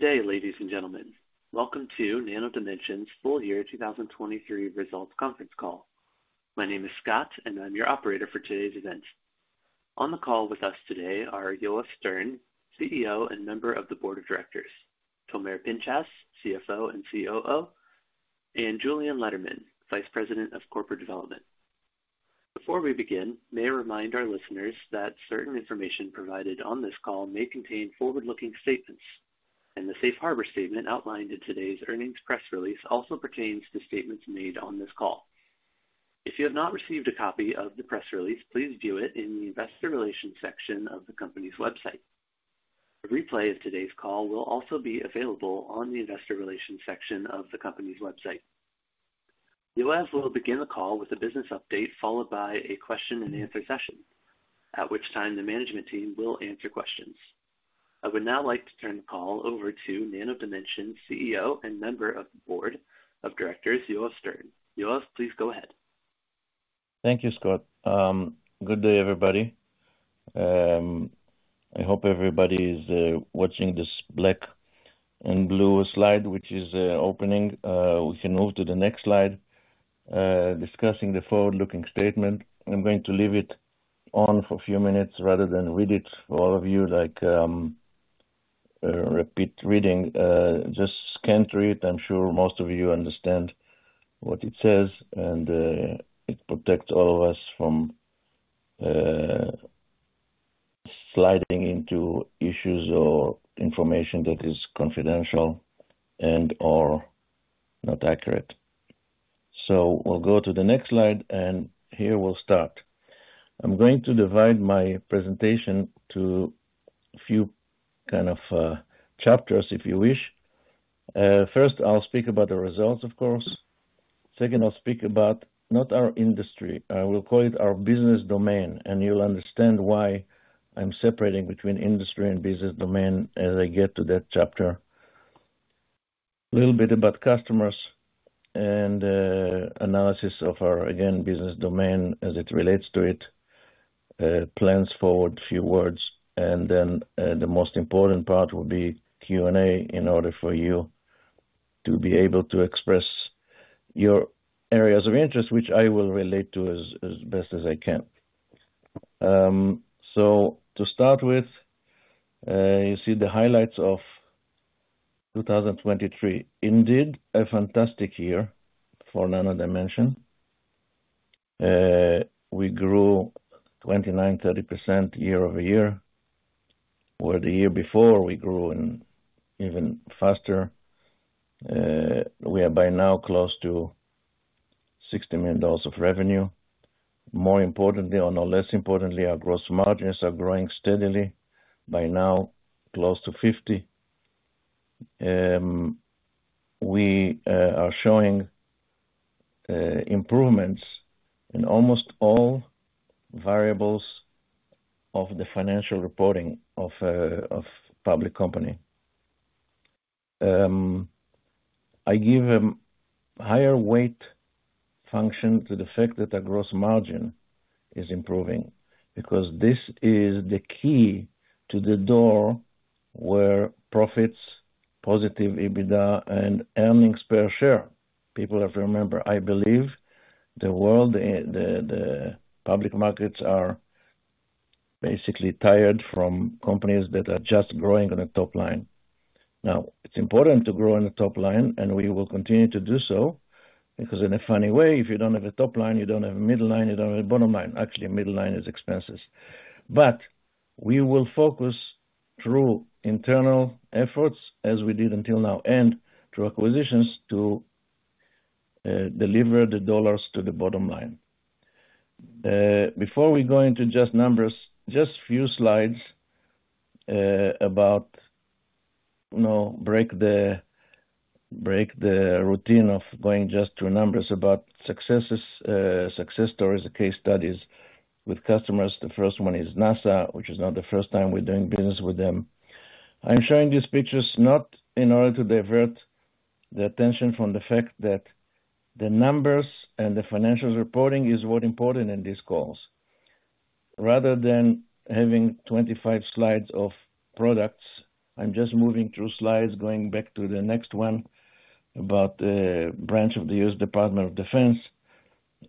Good day, ladies and gentlemen. Welcome to Nano Dimension's Full Year 2023 Results Conference Call. My name is Scott, and I'm your operator for today's event. On the call with us today are Yoav Stern, CEO and member of the Board of Directors, Tomer Pinchas, CFO and COO, and Julien Lederman, Vice President of Corporate Development. Before we begin, may I remind our listeners that certain information provided on this call may contain forward-looking statements, and the safe harbor statement outlined in today's earnings press release also pertains to statements made on this call. If you have not received a copy of the press release, please view it in the Investor Relations section of the company's website. A replay of today's call will also be available on the Investor Relations section of the company's website. Yoav will begin the call with a business update, followed by a question and answer session, at which time the management team will answer questions. I would now like to turn the call over to Nano Dimension's CEO and member of the Board of Directors, Yoav Stern. Yoav, please go ahead. Thank you, Scott. Good day, everybody. I hope everybody is watching this black and blue slide, which is opening. We can move to the next slide discussing the forward-looking statement. I'm going to leave it on for a few minutes rather than read it for all of you, like, repeat reading. Just scan through it. I'm sure most of you understand what it says, and it protects all of us from sliding into issues or information that is confidential and or not accurate. So we'll go to the next slide, and here we'll start. I'm going to divide my presentation to a few kind of chapters, if you wish. First, I'll speak about the results, of course. Second, I'll speak about not our industry. I will call it our business domain, and you'll understand why I'm separating between industry and business domain as I get to that chapter. A little bit about customers and analysis of our again business domain as it relates to it plans forward, a few words, and then the most important part will be Q&A, in order for you to be able to express your areas of interest, which I will relate to as best as I can. So to start with, you see the highlights of 2023. Indeed, a fantastic year for Nano Dimension. We grew 29%-30% year-over-year, where the year before we grew in even faster. We are by now close to $60 million of revenue. More importantly, or no less importantly, our gross margins are growing steadily by now, close to 50. We are showing improvements in almost all variables of the financial reporting of a public company. I give a higher weight function to the fact that our gross margin is improving because this is the key to the door where profits, positive EBITDA and earnings per share. People have to remember, I believe the world, the public markets are basically tired from companies that are just growing on a top line. Now, it's important to grow on the top line, and we will continue to do so, because in a funny way, if you don't have a top line, you don't have a middle line, you don't have a bottom line. Actually, a middle line is expenses. But we will focus through internal efforts, as we did until now, and through acquisitions to deliver the dollars to the bottom line. Before we go into just numbers, just few slides about, you know, break the routine of going just through numbers, about successes, success stories and case studies with customers. The first one is NASA, which is not the first time we're doing business with them. I'm showing these pictures not in order to divert the attention from the fact that the numbers and the financial reporting is what important in these calls. Rather than having 25 slides of products, I'm just moving through slides, going back to the next one, about the branch of the US Department of Defense.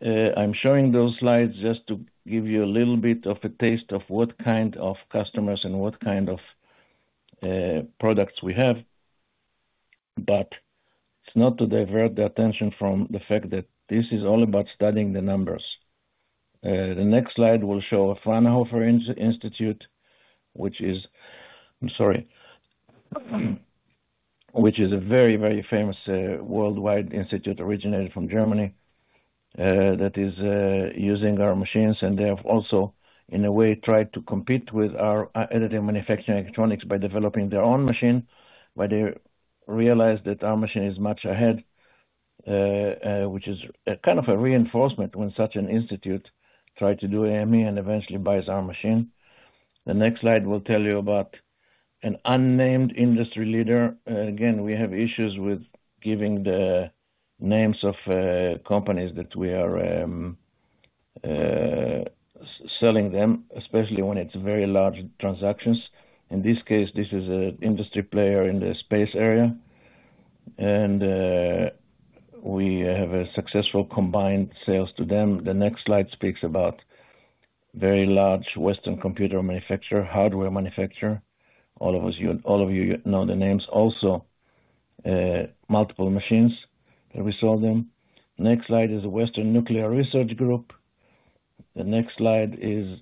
I'm showing those slides just to give you a little bit of a taste of what kind of customers and what kind of products we have, but it's not to divert the attention from the fact that this is all about studying the numbers. The next slide will show Fraunhofer Institute, which is... I'm sorry, which is a very, very famous worldwide institute, originated from Germany, that is using our machines, and they have also, in a way, tried to compete with our Additive Manufacturing Electronics by developing their own machine, but they realized that our machine is much ahead. Which is a kind of a reinforcement when such an institute tried to do AME and eventually buys our machine. The next slide will tell you about an unnamed industry leader. Again, we have issues with giving the names of companies that we are selling them, especially when it's very large transactions. In this case, this is an industry player in the space area, and we have a successful combined sales to them. The next slide speaks about very large Western computer manufacturer, hardware manufacturer. All of us, all of you know the names. Also, multiple machines, and we sold them. Next slide is a Western nuclear research group. The next slide is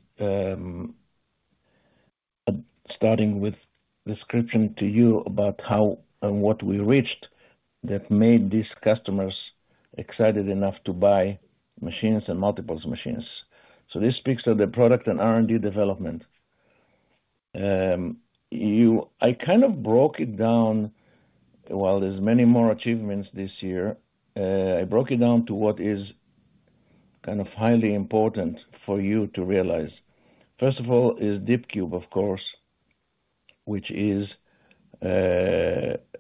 starting with description to you about how and what we reached that made these customers excited enough to buy machines and multiples machines. So this speaks to the product and R&D development. I kind of broke it down, while there's many more achievements this year, I broke it down to what is kind of highly important for you to realize. First of all is DeepCube, of course, which is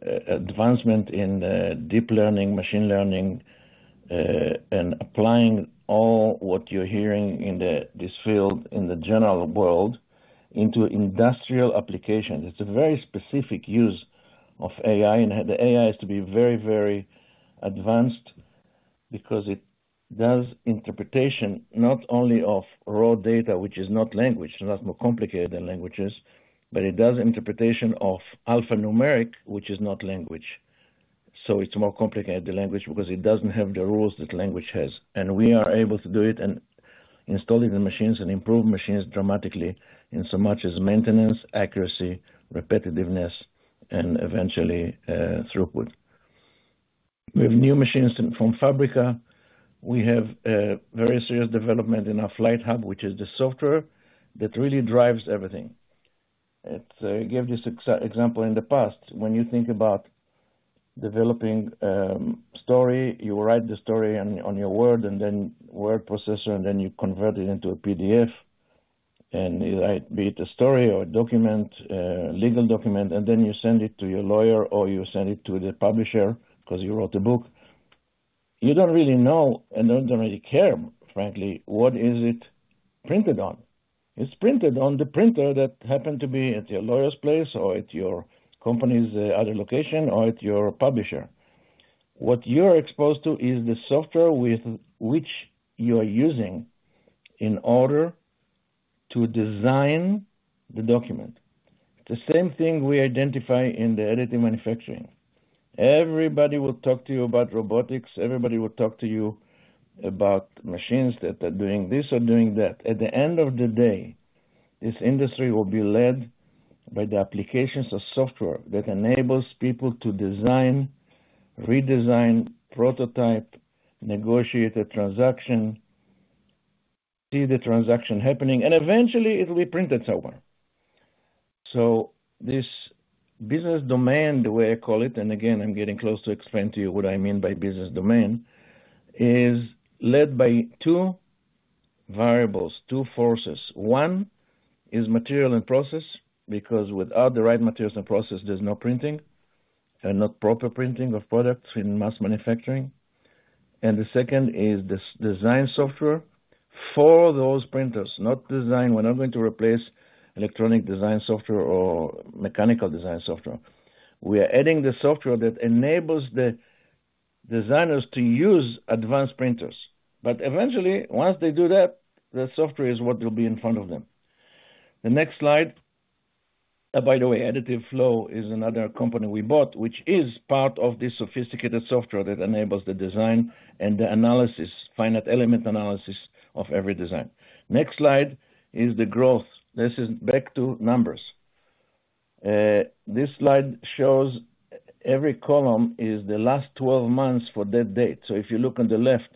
advancement in deep learning, machine learning, and applying all what you're hearing in the this field, in the general world, into industrial application. It's a very specific use of AI, and the AI is to be very, very advanced because it does interpretation not only of raw data, which is not language, it's a lot more complicated than languages, but it does interpretation of alphanumeric, which is not language. So it's more complicated than language because it doesn't have the rules that language has. And we are able to do it and install it in machines and improve machines dramatically, in so much as maintenance, accuracy, repetitiveness, and eventually, throughput. We have new machines from Fabrica. We have very serious development in our FLIGHT, which is the software that really drives everything. It gave this example in the past. When you think about developing story, you write the story on your Word, and then Word processor, and then you convert it into a PDF, and be it a story or a document, legal document, and then you send it to your lawyer, or you send it to the publisher because you wrote a book. You don't really know and don't really care, frankly, what is it printed on? It's printed on the printer that happened to be at your lawyer's place, or at your company's other location, or at your publisher. What you're exposed to is the software with which you are using in order to design the document. The same thing we identify in the additive manufacturing. Everybody will talk to you about robotics, everybody will talk to you about machines that are doing this or doing that. At the end of the day, this industry will be led by the applications of software that enables people to design, redesign, prototype, negotiate a transaction, see the transaction happening, and eventually it will be printed somewhere. So this business domain, the way I call it, and again, I'm getting close to explain to you what I mean by business domain, is led by two variables, two forces. One is material and process, because without the right materials and process, there's no printing, and not proper printing of products in mass manufacturing. And the second is the design software for those printers, not design. We're not going to replace electronic design software or mechanical design software. We are adding the software that enables the designers to use advanced printers, but eventually, once they do that, the software is what will be in front of them. The next slide. By the way, Additive Flow is another company we bought, which is part of this sophisticated software that enables the design and the analysis, finite element analysis of every design. Next slide is the growth. This is back to numbers. This slide shows every column is the last 12 months for that date. So if you look on the left,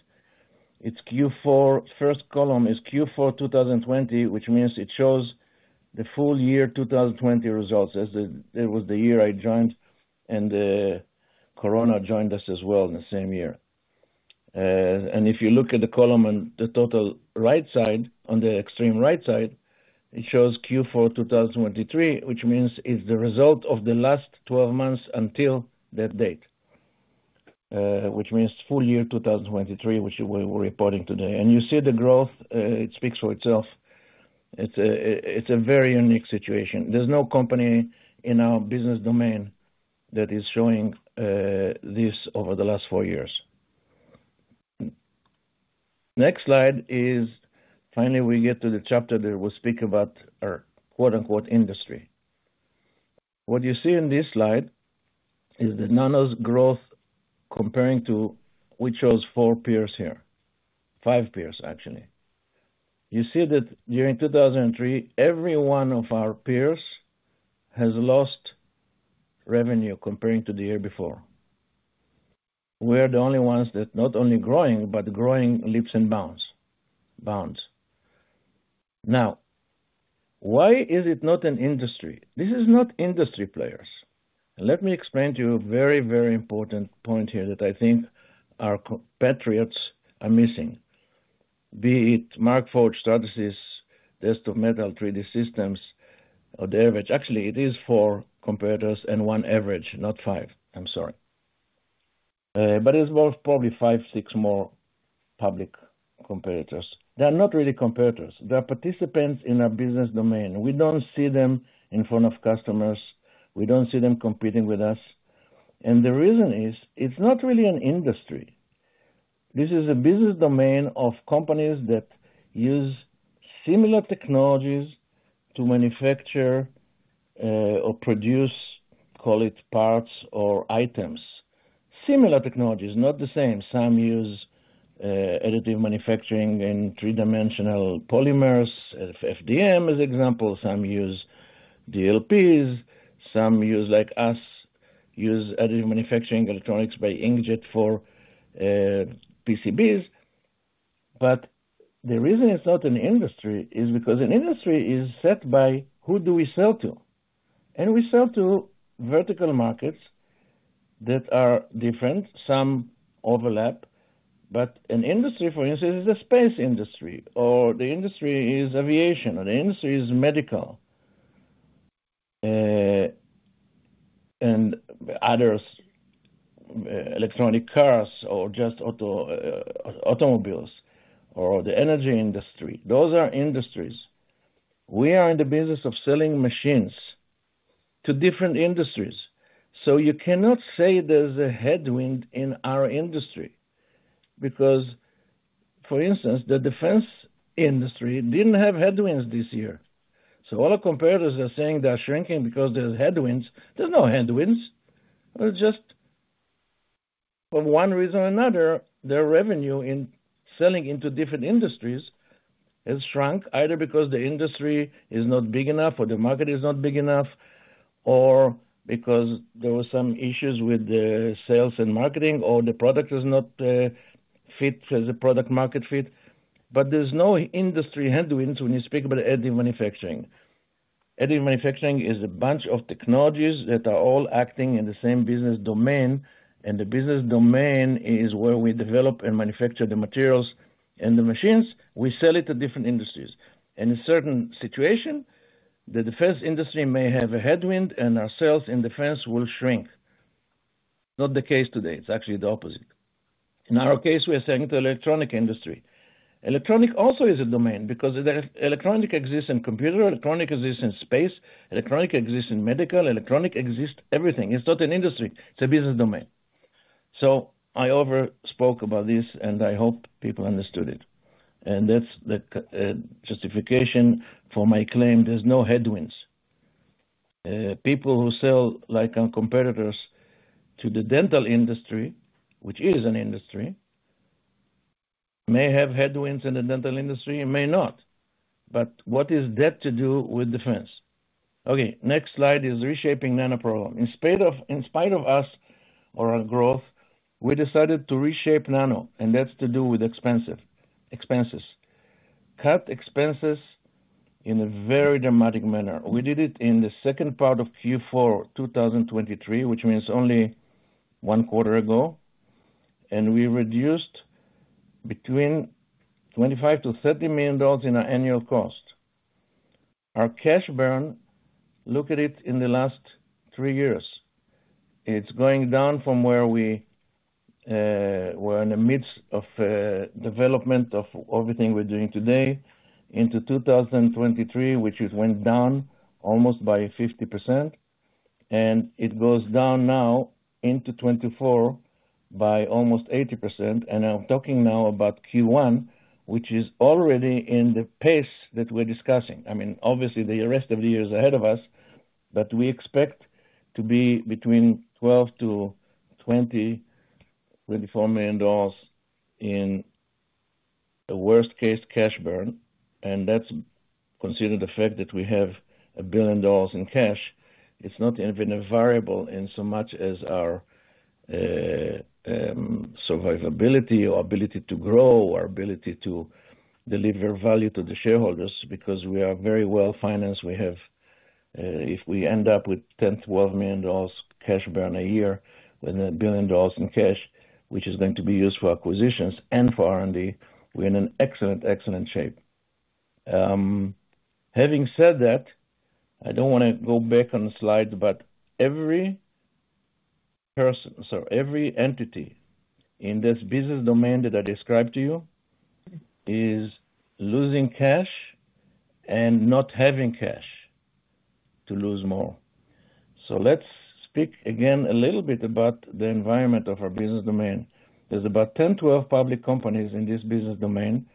it's Q4. First column is Q4 2020, which means it shows the full year 2020 results. As it was the year I joined, and Corona joined us as well in the same year. And if you look at the column on the total right side, on the extreme right side, it shows Q4 2023, which means it's the result of the last 12 months until that date, which means full year 2023, which we're reporting today. And you see the growth, it speaks for itself. It's a very unique situation. There's no company in our business domain that is showing this over the last four years. Next slide is finally we get to the chapter that will speak about our quote-unquote industry. What you see in this slide is the Nano's growth comparing to, we chose four peers here, five peers, actually. You see that during 2023, every one of our peers has lost revenue comparing to the year before. We are the only ones that not only growing, but growing leaps and bounds. Now, why is it not an industry? This is not industry players. Let me explain to you a very, very important point here that I think our compatriots are missing. Be it Markforged, Stratasys, Desktop Metal, 3D Systems, or the average. Actually, it is four competitors and one average, not five. I'm sorry, but it involves probably 5, 6 more public competitors. They are not really competitors, they are participants in our business domain. We don't see them in front of customers, we don't see them competing with us. The reason is, it's not really an industry. This is a business domain of companies that use similar technologies to manufacture, or produce, call it, parts or items. Similar technologies, not the same. Some use, additive manufacturing and three-dimensional polymers, FDM, as example. Some use DLPs, some use, like us, use additive manufacturing, electronics by inkjet for, PCBs. But the reason it's not an industry is because an industry is set by who do we sell to? And we sell to vertical markets that are different. Some overlap, but an industry, for instance, is a space industry, or the industry is aviation, or the industry is medical, and others, electronic cars or just auto, automobiles, or the energy industry. Those are industries. We are in the business of selling machines to different industries, so you cannot say there's a headwind in our industry, because, for instance, the defense industry didn't have headwinds this year. So all our competitors are saying they're shrinking because there's headwinds. There's no headwinds. They're just, for one reason or another, their revenue in selling into different industries has shrunk, either because the industry is not big enough, or the market is not big enough, or because there were some issues with the sales and marketing, or the product does not fit as a product-market fit. But there's no industry headwinds when you speak about additive manufacturing. Additive manufacturing is a bunch of technologies that are all acting in the same business domain, and the business domain is where we develop and manufacture the materials and the machines. We sell it to different industries. In a certain situation, the defense industry may have a headwind, and our sales in defense will shrink. Not the case today, it's actually the opposite. In our case, we are selling to electronics industry. Electronics also is a domain because the electronics exists in computer, electronics exists in space, electronics exists in medical, electronics exists everything. It's not an industry, it's a business domain. So I overspoke about this, and I hope people understood it, and that's the justification for my claim, there's no headwinds. People who sell, like our competitors, to the dental industry, which is an industry, may have headwinds in the dental industry and may not. But what is that to do with defense? Okay, next slide is reshaping Nano program. In spite of us or our growth, we decided to reshape Nano, and that's to do with expenses. Cut expenses in a very dramatic manner. We did it in the second part of Q4, 2023, which means only one quarter ago, and we reduced between $25 million-$30 million in our annual cost. Our cash burn, look at it in the last three years. It's going down from where we were in the midst of development of everything we're doing today into 2023, which it went down almost by 50%, and it goes down now into 2024 by almost 80%, and I'm talking now about Q1, which is already in the pace that we're discussing. I mean, obviously, the rest of the year is ahead of us, but we expect to be between 12-20-24 million dollars in the worst-case cash burn, and that's considering the fact that we have a billion dollars in cash. It's not even a variable, in so much as our survivability or ability to grow, our ability to deliver value to the shareholders, because we are very well financed. We have, if we end up with $10-$12 million cash burn a year, with $1 billion in cash, which is going to be used for acquisitions and for R&D, we're in an excellent, excellent shape. Having said that, I don't want to go back on the slide, but every person, so every entity in this business domain that I described to you, is losing cash and not having cash to lose more. So let's speak again a little bit about the environment of our business domain. There's about 10-12 public companies in this business domain.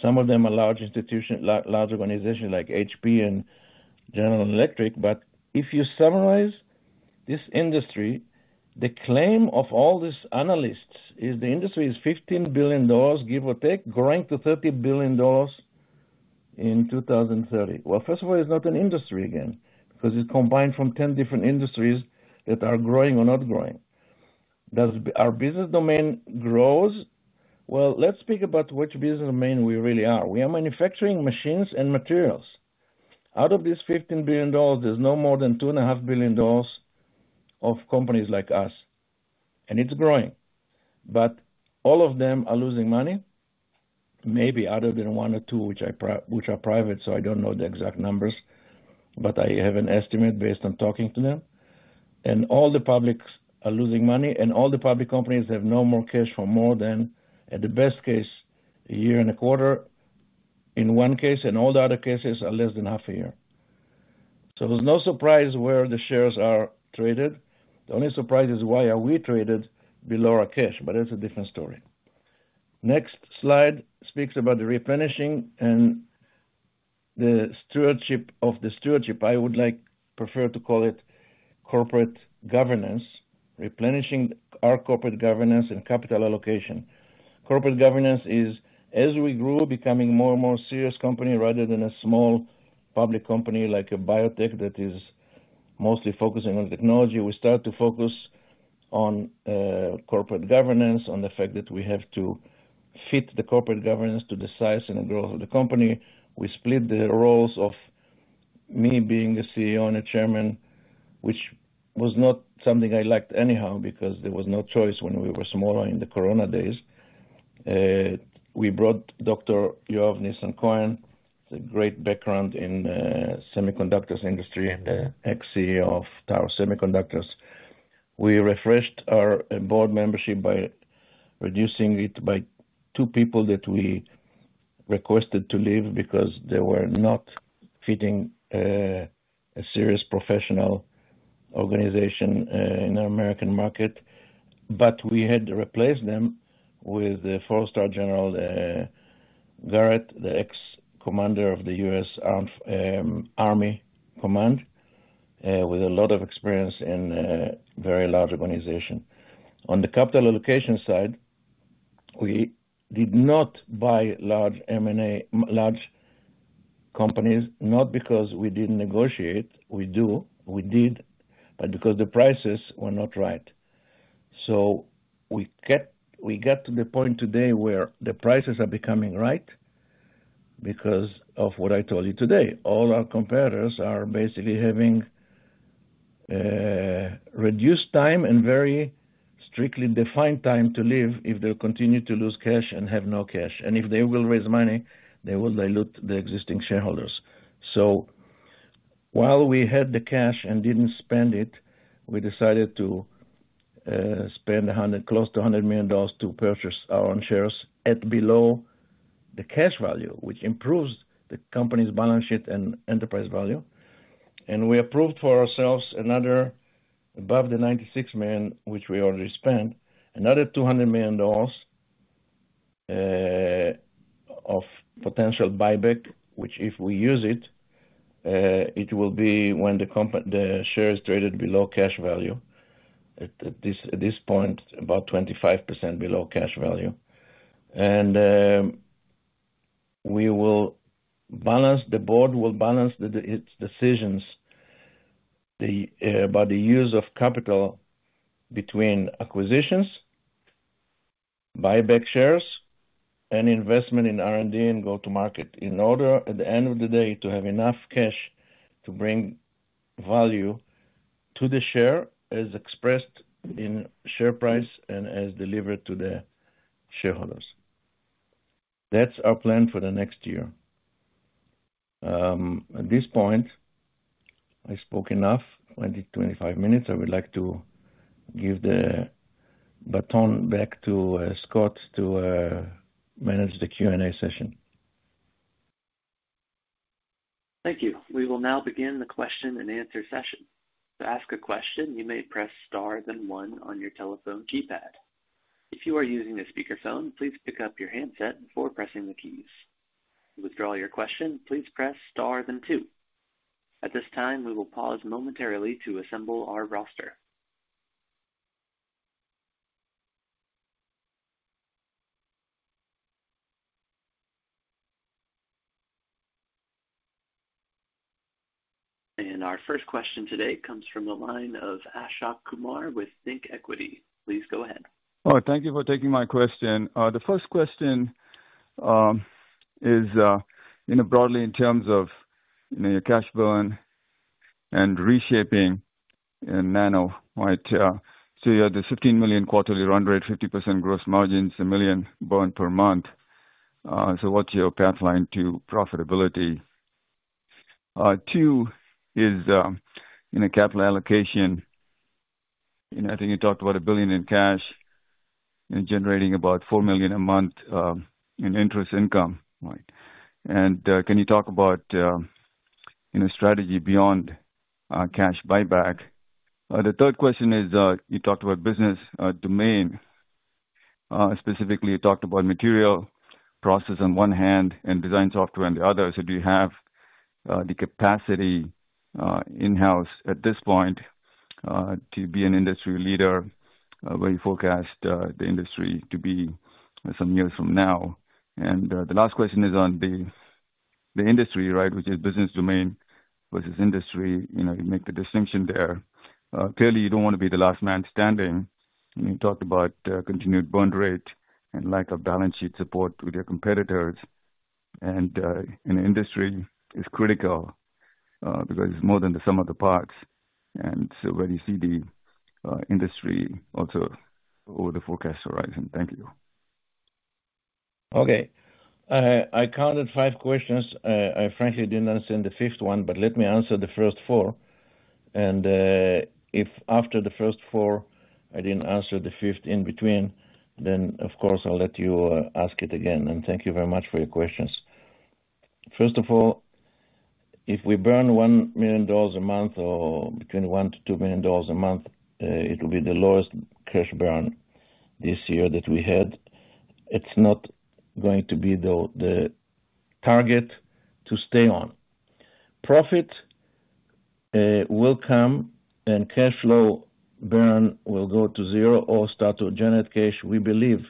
Some of them are large organizations like HP and General Electric. But if you summarize this industry, the claim of all these analysts is the industry is $15 billion, give or take, growing to $30 billion in 2030. Well, first of all, it's not an industry again, because it's combined from 10 different industries that are growing or not growing. Does our business domain grows? Well, let's speak about which business domain we really are. We are manufacturing machines and materials. Out of this $15 billion, there's no more than $2.5 billion of companies like us, and it's growing. But all of them are losing money... maybe other than one or two, which are private, so I don't know the exact numbers, but I have an estimate based on talking to them. All the publics are losing money, and all the public companies have no more cash for more than, at the best case, a year and a quarter in one case, and all the other cases are less than half a year. There's no surprise where the shares are traded. The only surprise is why are we traded below our cash, but that's a different story. Next slide speaks about the replenishing and the stewardship of the stewardship. I would like, prefer to call it corporate governance, replenishing our corporate governance and capital allocation. Corporate governance is, as we grew, becoming more and more serious company rather than a small public company like a biotech that is mostly focusing on technology. We start to focus on corporate governance, on the fact that we have to fit the corporate governance to the size and the growth of the company. We split the roles of me being the CEO and a chairman, which was not something I liked anyhow, because there was no choice when we were smaller in the Corona days. We brought Dr. Yoav Nissan-Cohen, the great background in, semiconductors industry and the ex-CEO of Tower Semiconductor. We refreshed our board membership by reducing it by two people that we requested to leave because they were not fitting, a serious professional organization, in the American market. But we had to replace them with a four-star general, Garrett, the ex-commander of the U.S. Army Forces Command, with a lot of experience in a very large organization. On the capital allocation side, we did not buy large M&A, large companies, not because we didn't negotiate. We do, we did, but because the prices were not right. So we get to the point today where the prices are becoming right because of what I told you today. All our competitors are basically having reduced time and very strictly defined time to live if they continue to lose cash and have no cash. And if they will raise money, they will dilute the existing shareholders. So while we had the cash and didn't spend it, we decided to spend close to $100 million to purchase our own shares at below the cash value, which improves the company's balance sheet and enterprise value. And we approved for ourselves another, above the $96 million, which we already spent, another $200 million of potential buyback, which, if we use it, it will be when the share is traded below cash value. At this point, about 25% below cash value. The board will balance its decisions by the use of capital between acquisitions, buyback shares, and investment in R&D and go-to-market, in order, at the end of the day, to have enough cash to bring value to the share, as expressed in share price and as delivered to the shareholders. That's our plan for the next year. At this point, I spoke enough, 25 minutes. I would like to give the baton back to Scott to manage the Q&A session. Thank you. We will now begin the question-and-answer session. To ask a question, you may press * then 1 on your telephone keypad. If you are using a speakerphone, please pick up your handset before pressing the keys. To withdraw your question, please press * then 2. At this time, we will pause momentarily to assemble our roster. Our first question today comes from the line of Ashok Kumar with ThinkEquity. Please go ahead. All right. Thank you for taking my question. The first question is, you know, broadly in terms of, you know, your cash burn and reshaping in nano, right? So you have the $15 million quarterly run rate, 50% gross margins, $1 million burn per month. So what's your path line to profitability? 2 is in a capital allocation, and I think you talked about $1 billion in cash and generating about $4 million a month in interest income. And can you talk about, you know, strategy beyond cash buyback? The third question is, you talked about business domain. Specifically, you talked about material process on one hand and design software on the other. So do you have the capacity in-house at this point to be an industry leader where you forecast the industry to be some years from now? And the last question is on the industry, right, which is business domain versus industry. You know, you make the distinction there. Clearly, you don't want to be the last man standing. You talked about continued burn rate and lack of balance sheet support with your competitors.... in the industry, it's critical, because it's more than the sum of the parts, and so when you see the industry also over the forecast horizon. Thank you. Okay. I counted five questions. I frankly didn't understand the fifth one, but let me answer the first four, and, if after the first four, I didn't answer the fifth in between, then, of course, I'll let you, ask it again, and thank you very much for your questions. First of all, if we burn $1 million a month or between $1-$2 million a month, it will be the lowest cash burn this year that we had. It's not going to be the, the target to stay on. Profit, will come and cash flow burn will go to zero or start to generate cash, we believe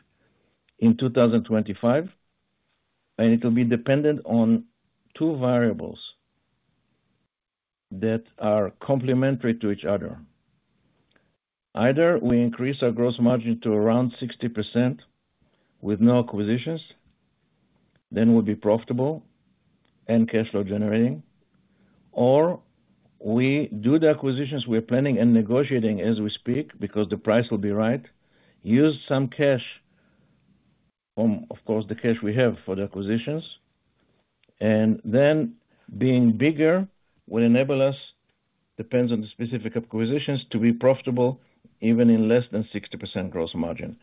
in 2025, and it will be dependent on two variables that are complementary to each other. Either we increase our gross margin to around 60% with no acquisitions, then we'll be profitable and cash flow generating, or we do the acquisitions we're planning and negotiating as we speak because the price will be right, use some cash from, of course, the cash we have for the acquisitions, and then being bigger will enable us, depends on the specific acquisitions, to be profitable even in less than 60% gross margin.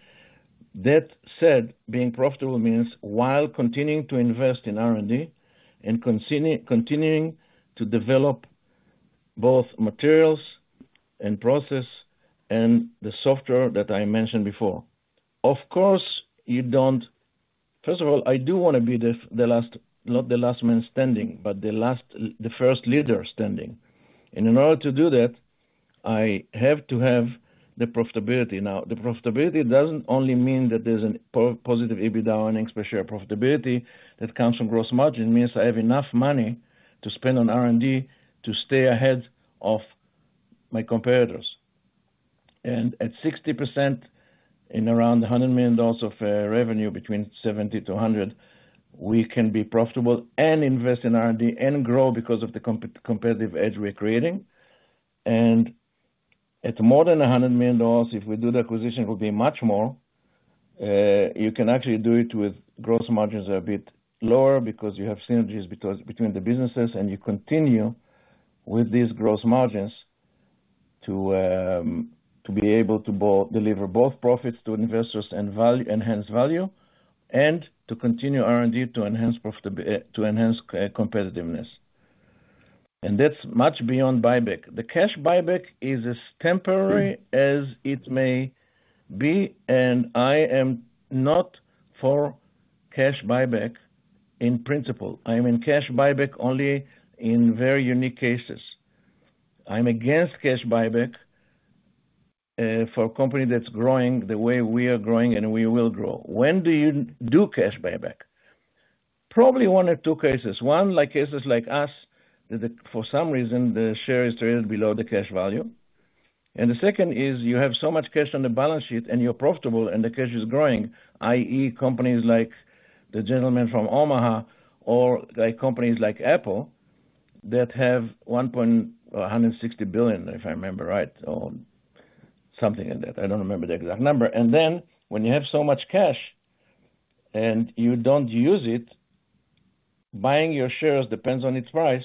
That said, being profitable means while continuing to invest in R&D and continuing to develop both materials and process and the software that I mentioned before. Of course, you don't... First of all, I do wanna be the last, not the last man standing, but the first leader standing. In order to do that, I have to have the profitability. Now, the profitability doesn't only mean that there's a positive EBITDA earnings per share profitability that comes from gross margin. It means I have enough money to spend on R&D to stay ahead of my competitors. And at 60%, in around $100 million of revenue, between 70-100, we can be profitable and invest in R&D and grow because of the competitive edge we're creating. And at more than $100 million, if we do the acquisition, it will be much more. You can actually do it with gross margins are a bit lower because you have synergies between the businesses, and you continue with these gross margins to be able to deliver both profits to investors and value, enhance value, and to continue R&D to enhance profit to enhance competitiveness. That's much beyond buyback. The cash buyback is as temporary as it may be, and I am not for cash buyback in principle. I am in cash buyback only in very unique cases. I'm against cash buyback for a company that's growing the way we are growing and we will grow. When do you do cash buyback? Probably one of two cases. One, like cases like us, that for some reason, the share is traded below the cash value, and the second is you have so much cash on the balance sheet and you're profitable and the cash is growing, i.e., companies like the gentleman from Omaha or, like, companies like Apple, that have $160 billion, if I remember right, or something like that. I don't remember the exact number. Then when you have so much cash and you don't use it, buying your shares, depends on its price,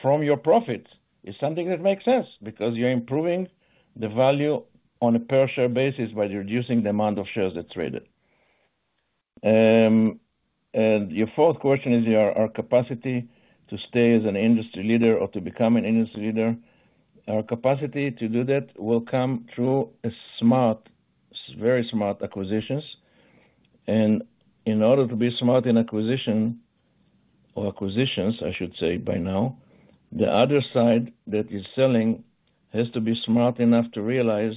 from your profit, is something that makes sense because you're improving the value on a per share basis while you're reducing the amount of shares that traded. And your fourth question is our capacity to stay as an industry leader or to become an industry leader. Our capacity to do that will come through a smart, very smart acquisitions, and in order to be smart in acquisition or acquisitions, I should say by now, the other side that is selling has to be smart enough to realize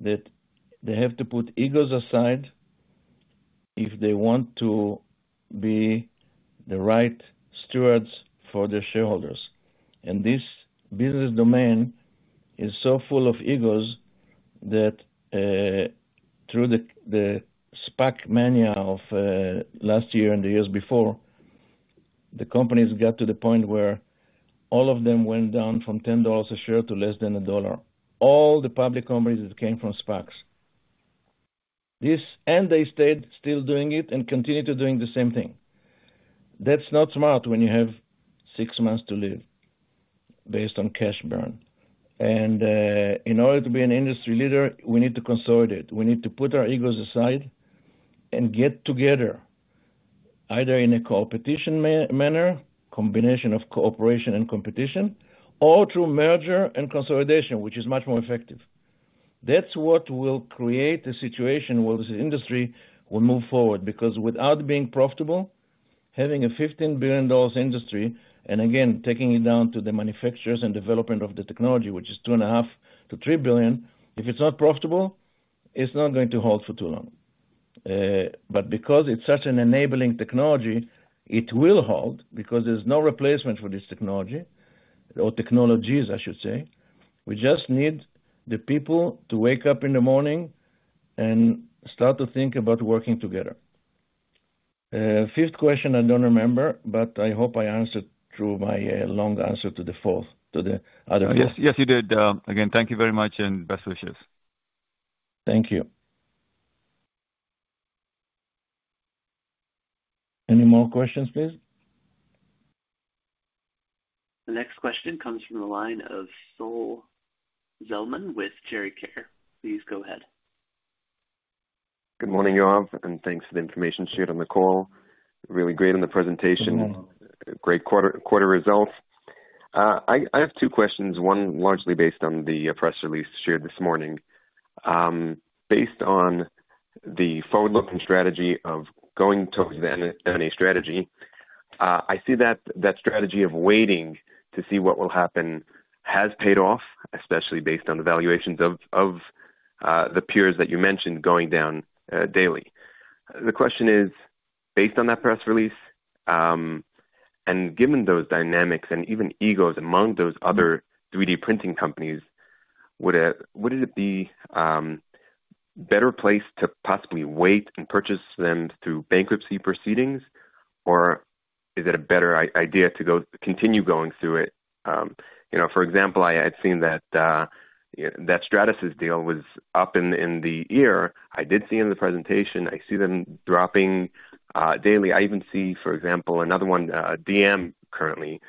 that they have to put egos aside if they want to be the right stewards for their shareholders. And this business domain is so full of egos that, through the SPAC mania of last year and the years before, the companies got to the point where all of them went down from $10 a share to less than $1. All the public companies that came from SPACs. This, and they stayed still doing it and continued to doing the same thing. That's not smart when you have six months to live based on cash burn. And in order to be an industry leader, we need to consolidate. We need to put our egos aside and get together, either in a competition manner, combination of cooperation and competition, or through merger and consolidation, which is much more effective. That's what will create a situation where this industry will move forward, because without being profitable, having a $15 billion industry, and again, taking it down to the manufacturers and development of the technology, which is $2.5 billion-$3 billion, if it's not profitable, it's not going to hold for too long. But because it's such an enabling technology, it will hold because there's no replacement for this technology or technologies, I should say. We just need the people to wake up in the morning and start to think about working together. Fifth question I don't remember, but I hope I answered through my long answer to the fourth, to the other fourth. Yes, yes, you did. Again, thank you very much, and best wishes. Thank you. Any more questions, please? The next question comes from the line of Sol Zelman with Geri-Care. Please go ahead. Good morning, Yoav, and thanks for the information shared on the call. Really great in the presentation. Great quarter, quarter results. I have two questions, one largely based on the press release shared this morning. Based on the forward-looking strategy of going towards the M&A strategy, I see that strategy of waiting to see what will happen has paid off, especially based on the valuations of the peers that you mentioned going down daily. The question is, based on that press release, and given those dynamics and even egos among those other 3D printing companies, would it, wouldn't it be better placed to possibly wait and purchase them through bankruptcy proceedings? Or is it a better idea to go, continue going through it? You know, for example, I had seen that Stratasys deal was up in the year. I did see in the presentation, I see them dropping daily. I even see, for example, another one, DM, currently,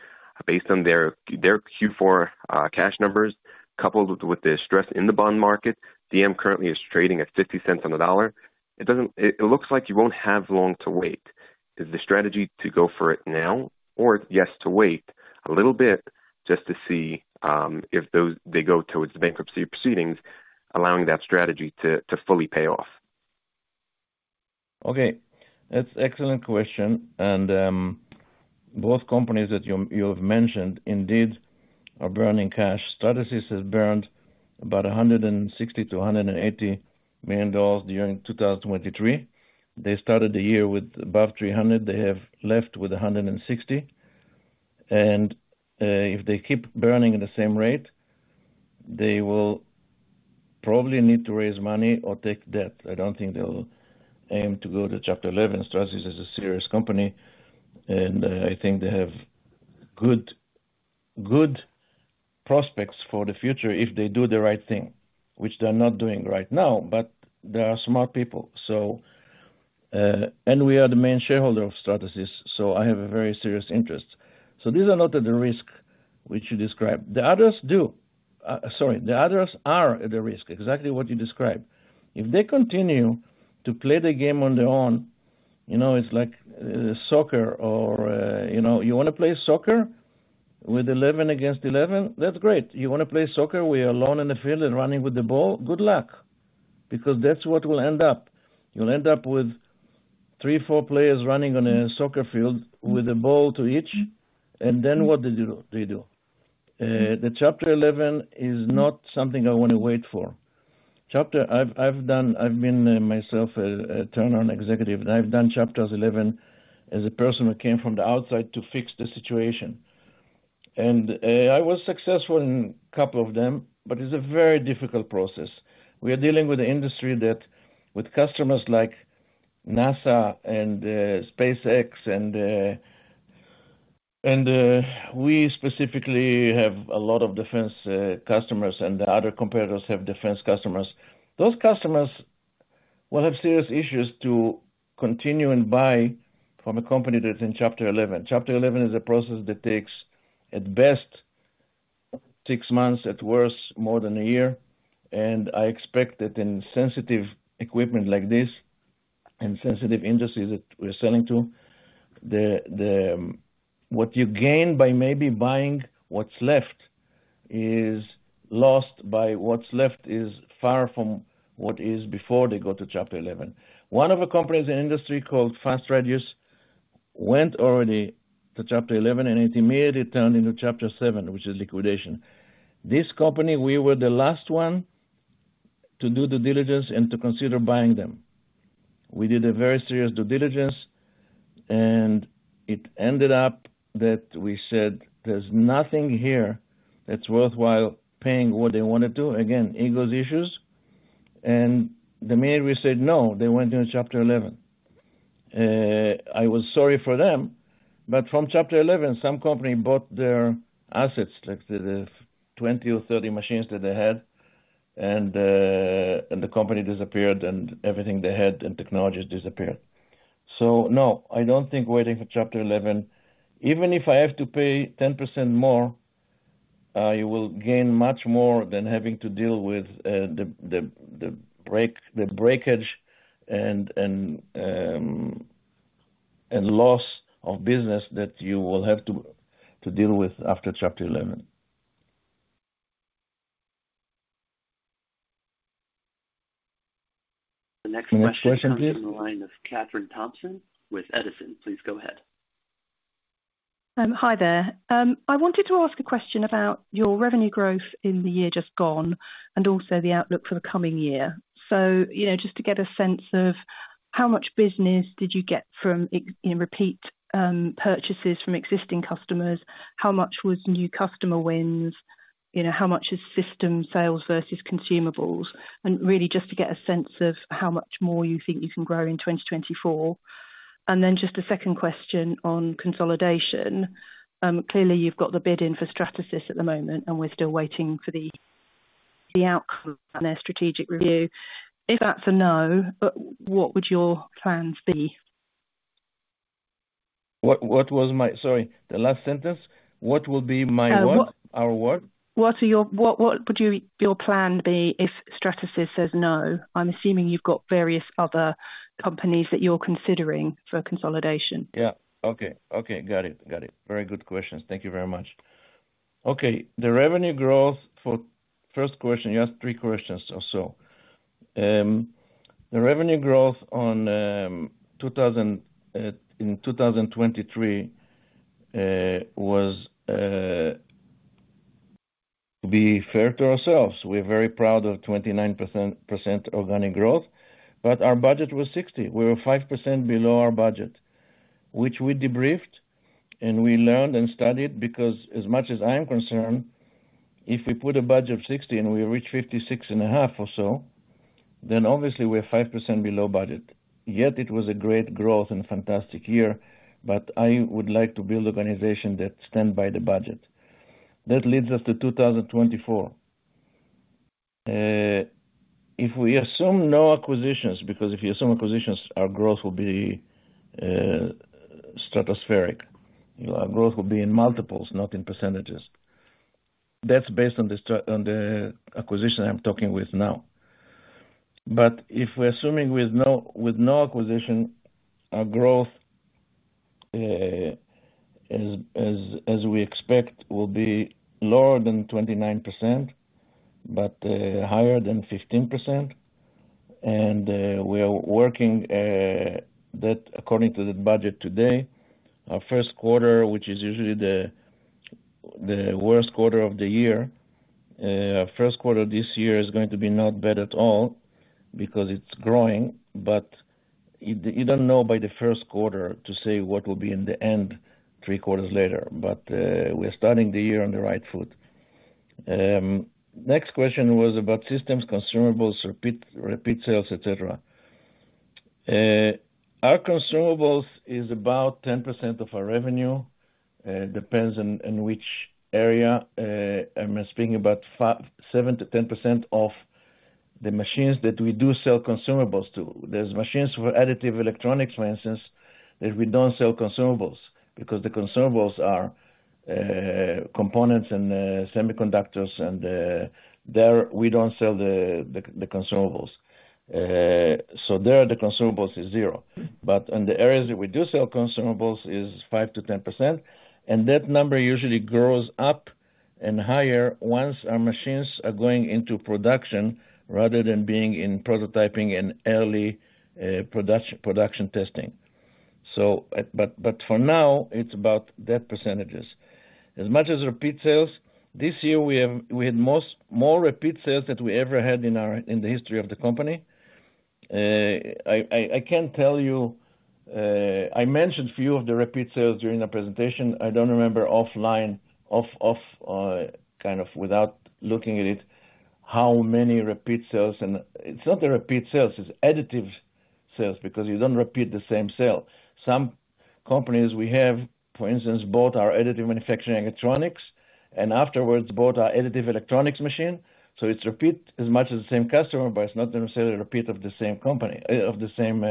based on their, their Q4 cash numbers, coupled with the stress in the bond market, DM currently is trading at 50 cents on the dollar. It doesn't... It, it looks like you won't have long to wait. Is the strategy to go for it now, or, yes, to wait a little bit just to see if those, they go towards the bankruptcy proceedings, allowing that strategy to, to fully pay off? Okay, that's excellent question. And, both companies that you, you have mentioned indeed are burning cash. Stratasys has burned about $160 million-$180 million during 2023. They started the year with above $300 million. They have left with $160 million. And, if they keep burning at the same rate, they will probably need to raise money or take debt. I don't think they'll aim to go to Chapter 11. Stratasys is a serious company, and, I think they have good, good prospects for the future if they do the right thing, which they're not doing right now, but they are smart people. So, and we are the main shareholder of Stratasys, so I have a very serious interest. So these are not at the risk which you described. The others do, sorry, the others are at a risk, exactly what you described. If they continue to play the game on their own, you know, it's like soccer or, you know, you want to play soccer with eleven against eleven? That's great. You want to play soccer where you're alone in the field and running with the ball? Good luck, because that's what will end up. You'll end up with three, four players running on a soccer field with a ball to each, and then what do you do, they do? The Chapter 11 is not something I want to wait for. Chapter... I've, I've done, I've been, myself a, a turnaround executive, and I've done Chapter 11s as a person who came from the outside to fix the situation. I was successful in a couple of them, but it's a very difficult process. We are dealing with an industry that, with customers like NASA and SpaceX, and we specifically have a lot of defense customers, and the other competitors have defense customers. Those customers will have serious issues to continue and buy from a company that's in Chapter 11. Chapter 11 is a process that takes, at best, six months, at worst, more than a year. I expect that in sensitive equipment like this and sensitive industries that we're selling to, the what you gain by maybe buying what's left is lost by what's left is far from what is before they go to Chapter 11. One of the companies in the industry called Fast Radius went already to Chapter 11, and it immediately turned into Chapter 7, which is liquidation. This company, we were the last one to do due diligence and to consider buying them. We did a very serious due diligence, and it ended up that we said, "There's nothing here that's worthwhile paying what they wanted to." Again, ego's issues, and the more, we said, "No." They went into Chapter 11. I was sorry for them, but from Chapter 11, some company bought their assets, let's say the 20 or 30 machines that they had, and the company disappeared, and everything they had and technologies disappeared. So, no, I don't think waiting for Chapter 11, even if I have to pay 10% more, I will gain much more than having to deal with the break, the breakage and loss of business that you will have to deal with after Chapter 11. The next question- Next question, please. Comes from the line of Katherine Thompson with Edison. Please go ahead. Hi there. I wanted to ask a question about your revenue growth in the year just gone and also the outlook for the coming year. So, you know, just to get a sense of how much business did you get from existing, you know, repeat purchases from existing customers? How much was new customer wins? You know, how much is system sales versus consumables? And really just to get a sense of how much more you think you can grow in 2024. And then just a second question on consolidation. Clearly, you've got the bid in for Stratasys at the moment, and we're still waiting for the outcome of their strategic review. If that's a no, but what would your plans be? What was my... Sorry, the last sentence? What will be my what? Um, what- Our what? What would your plan be if Stratasys says no? I'm assuming you've got various other companies that you're considering for consolidation. Yeah. Okay. Okay. Got it. Got it. Very good questions. Thank you very much. Okay, the revenue growth for first question, you asked three questions or so. The revenue growth on, in 2023, was, to be fair to ourselves, we're very proud of 29% organic growth, but our budget was 60%. We were 5% below our budget, which we debriefed, and we learned and studied, because as much as I'm concerned, if we put a budget of 60% and we reach 56.5% or so, then obviously we're 5% below budget. Yet it was a great growth and a fantastic year, but I would like to build organization that stand by the budget. That leads us to 2024. If we assume no acquisitions, because if you assume acquisitions, our growth will be stratospheric. Our growth will be in multiples, not in percentages. That's based on the Stratasys acquisition I'm talking with now. But if we're assuming no acquisition, our growth, as we expect, will be lower than 29%, but higher than 15%, and we are working that according to the budget today, our first quarter, which is usually the worst quarter of the year, first quarter of this year is going to be not bad at all because it's growing, but you don't know by the first quarter to say what will be in the end, three quarters later. But we're starting the year on the right foot. Next question was about systems, consumables, repeat sales, etc. Our consumables is about 10% of our revenue, depends on which area. I'm speaking about 5-7 to 10% of the machines that we do sell consumables to. There's machines for additive electronics, for instance, that we don't sell consumables, because the consumables are components and semiconductors, and there, we don't sell the consumables. So there, the consumables is zero. But in the areas that we do sell consumables is 5%-10%, and that number usually grows up and higher once our machines are going into production rather than being in prototyping and early product-production testing. But for now, it's about that percentages. As much as repeat sales, this year, we had more repeat sales than we ever had in the history of the company. I can't tell you. I mentioned a few of the repeat sales during the presentation. I don't remember without looking at it how many repeat sales, and it's not the repeat sales, it's additive sales, because you don't repeat the same sale. Some companies, for instance, bought our additive manufacturing electronics, and afterwards, bought our additive electronics machine, so it's repeat as much as the same customer, but it's not necessarily a repeat of the same company, of the same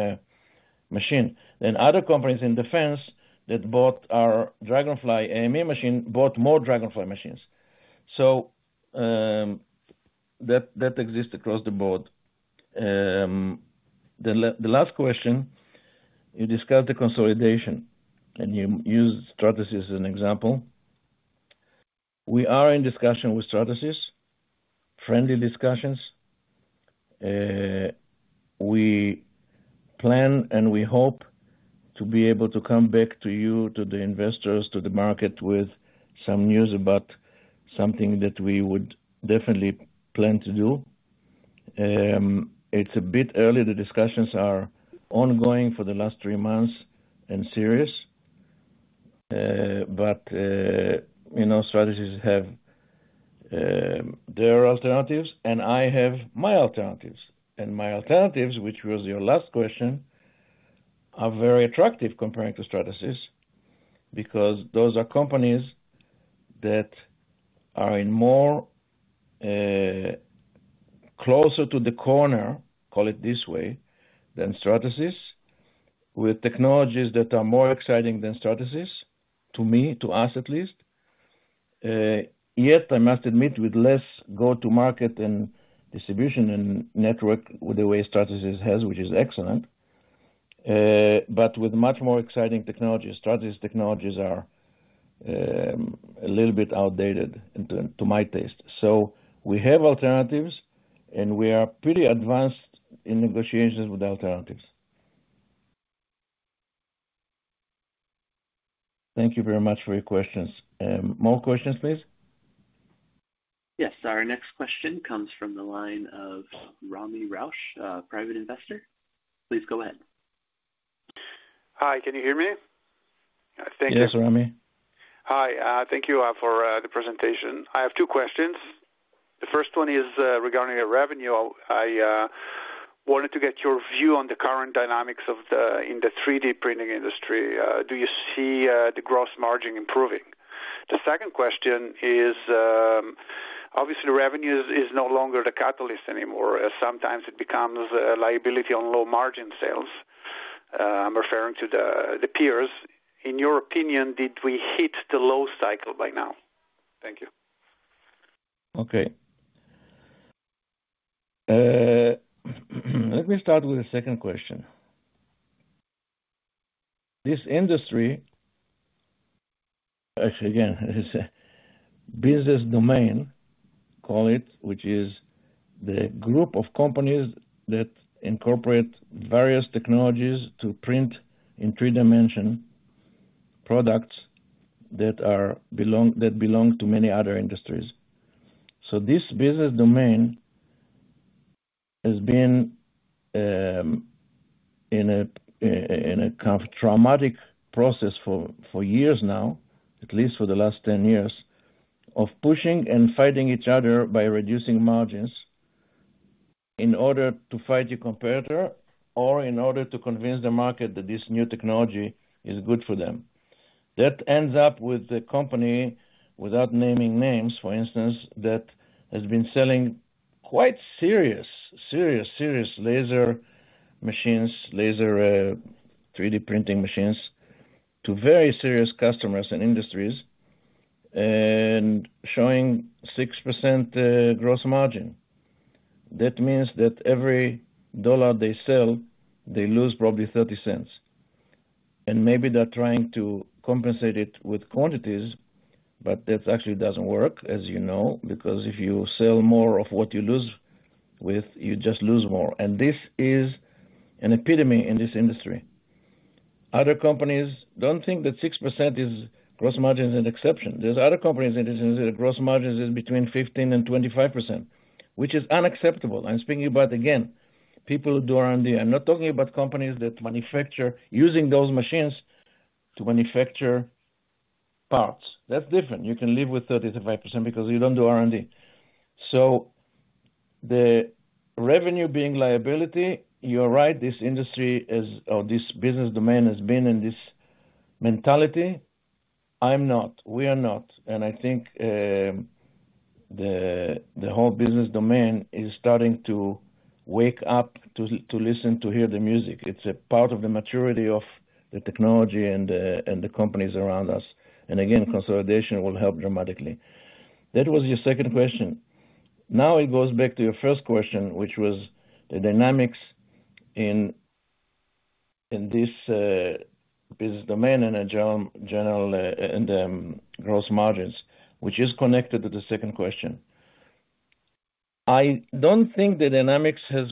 machine. Then other companies in defense that bought our DragonFly AME machine bought more DragonFly machines. So, that exists across the board. The last question, you discussed the consolidation, and you used Stratasys as an example. We are in discussion with Stratasys, friendly discussions. We plan and we hope to be able to come back to you, to the investors, to the market with some news about something that we would definitely plan to do. It's a bit early. The discussions are ongoing for the last three months and serious, but, you know, Stratasys have, their alternatives, and I have my alternatives. And my alternatives, which was your last question, are very attractive comparing to Stratasys, because those are companies that are in more, closer to the corner, call it this way, than Stratasys, with technologies that are more exciting than Stratasys, to me, to us, at least. Yet, I must admit, with less go-to-market and distribution and network with the way Stratasys has, which is excellent, but with much more exciting technologies. Stratasys technologies are a little bit outdated, in terms, to my taste. So we have alternatives, and we are pretty advanced in negotiations with alternatives. Thank you very much for your questions. More questions, please? Yes, our next question comes from the line of Rami Rauch, private investor. Please go ahead. Hi, can you hear me? Thank you. Yes, Rami. Hi, thank you for the presentation. I have two questions. The first one is regarding the revenue. I wanted to get your view on the current dynamics in the 3D printing industry. Do you see the gross margin improving? The second question is, obviously, revenue is no longer the catalyst anymore. Sometimes it becomes a liability on low-margin sales. I'm referring to the peers. In your opinion, did we hit the low cycle by now? Thank you. Okay. Let me start with the second question. This industry, actually, again, I say, business domain, call it, which is the group of companies that incorporate various technologies to print in three-dimension products that belong to many other industries. So this business domain has been in a kind of traumatic process for years now, at least for the last 10 years, of pushing and fighting each other by reducing margins in order to fight your competitor or in order to convince the market that this new technology is good for them. That ends up with the company, without naming names, for instance, that has been selling quite serious, serious, serious laser machines, laser, 3D printing machines, to very serious customers and industries, and showing 6%, gross margin. That means that every $1 they sell, they lose probably $0.30. Maybe they're trying to compensate it with quantities, but that actually doesn't work, as you know, because if you sell more of what you lose with, you just lose more. This is an epitome in this industry. Other companies don't think that 6% is gross margin is an exception. There's other companies that is, the gross margins is between 15%-25%, which is unacceptable. I'm speaking about, again, people who do R&D. I'm not talking about companies that manufacture using those machines to manufacture parts. That's different. You can live with 30%-5% because you don't do R&D. So the revenue being liability, you're right, this industry is, or this business domain has been in this mentality. I'm not. We are not. And I think, the whole business domain is starting to wake up, to listen, to hear the music. It's a part of the maturity of the technology and the companies around us. Again, consolidation will help dramatically. That was your second question. Now it goes back to your first question, which was the dynamics in this business domain and a general in the gross margins, which is connected to the second question. I don't think the dynamics has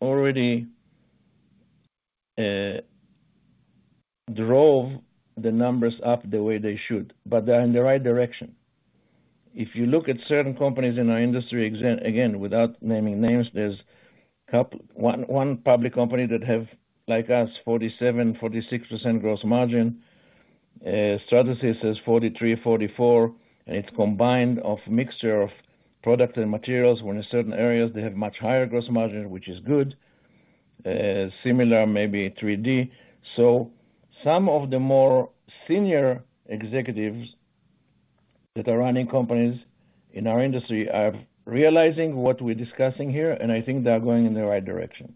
already drove the numbers up the way they should, but they're in the right direction. If you look at certain companies in our industry, again, without naming names, there's a couple. One public company that has, like us, 47-46% gross margin. Stratasys has 43-44%, and it's a combination of a mixture of product and materials, when in certain areas they have much higher gross margin, which is good. Similar, maybe 3D. So some of the more senior executives that are running companies in our industry are realizing what we're discussing here, and I think they are going in the right direction.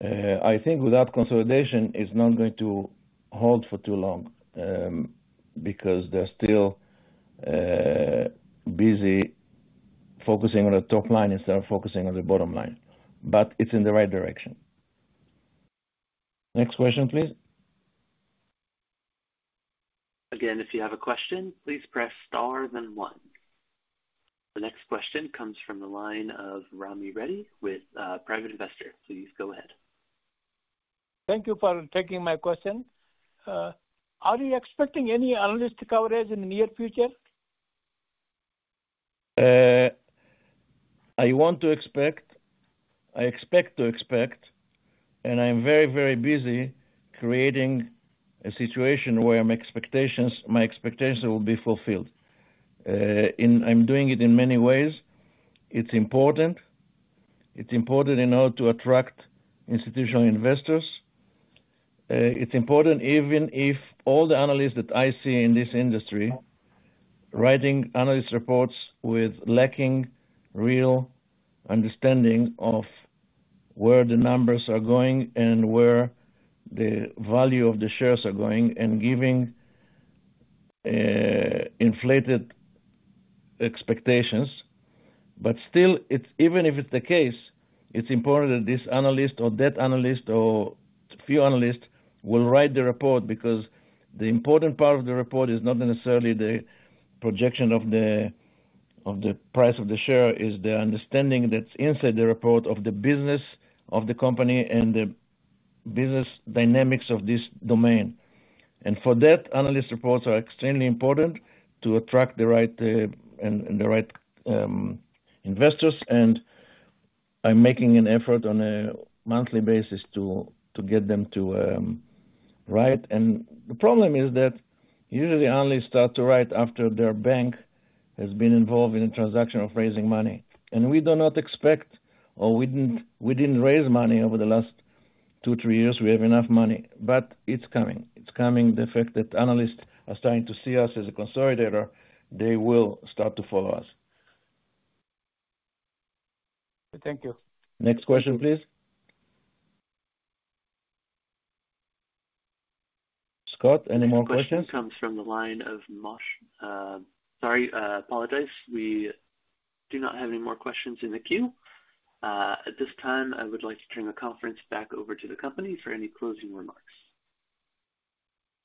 I think without consolidation, it's not going to hold for too long, because they're still busy focusing on the top line instead of focusing on the bottom line, but it's in the right direction. Next question, please. Again, if you have a question, please press *, then 1. The next question comes from the line of Rami Rauch with Private Investor. Please go ahead. Thank you for taking my question. Are you expecting any analyst coverage in the near future? I want to expect. I expect to expect, and I'm very, very busy creating a situation where my expectations, my expectations will be fulfilled. And I'm doing it in many ways. It's important. It's important in order to attract institutional investors. It's important even if all the analysts that I see in this industry writing analyst reports with lacking real understanding of where the numbers are going and where the value of the shares are going and giving inflated expectations. But still, even if it's the case, it's important that this analyst or that analyst or few analysts will write the report, because the important part of the report is not necessarily the projection of the price of the share. It's the understanding that's inside the report of the business of the company and the business dynamics of this domain. For that, analyst reports are extremely important to attract the right investors, and I'm making an effort on a monthly basis to get them to write. The problem is that usually analysts start to write after their bank has been involved in a transaction of raising money. And we did not raise money over the last 2-3 years. We have enough money, but it's coming. It's coming. The fact that analysts are starting to see us as a consolidator, they will start to follow us. Thank you. Next question, please. Scott, any more questions? Question comes from the line of Moshe. Sorry, apologize. We do not have any more questions in the queue. At this time, I would like to turn the conference back over to the company for any closing remarks.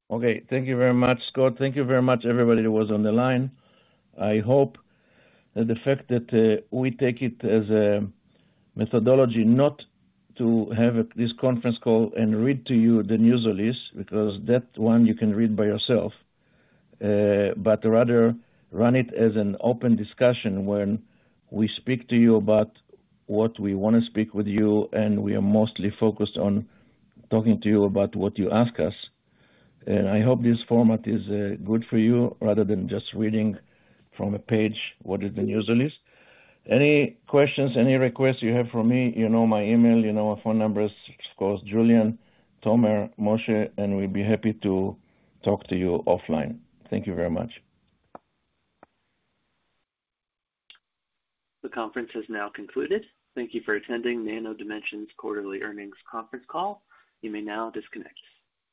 Okay. Thank you very much, Scott. Thank you very much, everybody, who was on the line. I hope that the fact that we take it as a methodology not to have this conference call and read to you the news release, because that one you can read by yourself, but rather run it as an open discussion when we speak to you about what we wanna speak with you, and we are mostly focused on talking to you about what you ask us. I hope this format is good for you, rather than just reading from a page what is the news release. Any questions, any requests you have for me, you know my email, you know our phone numbers, of course, Julien, Tomer, Moshe, and we'll be happy to talk to you offline. Thank you very much. The conference is now concluded. Thank you for attending Nano Dimension's quarterly earnings conference call. You may now disconnect.